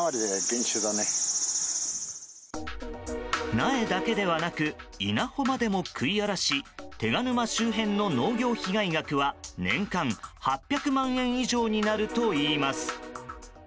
苗だけではなく稲穂までも食い荒らし手賀沼周辺の農業被害額は年間８００万円以上になるといいます。